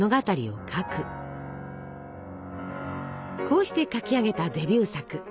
こうして書き上げたデビュー作。